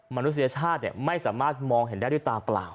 มนุษยชาติไม่สามารถมองเห็นได้ด้วยตาเปล่า